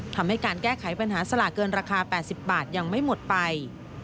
ทำให้การแก้ไขปัญหาสลากเกินราคา๘๐บาทยังไม่หมดไป